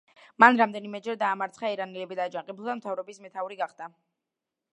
მან რამდენიმეჯერ დაამარცხა ირანელები და აჯანყებულთა მთავრობის მეთაური გახდა.